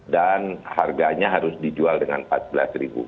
harganya harus dijual dengan rp empat belas